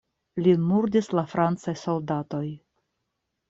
Lin murdis la francaj soldatoj.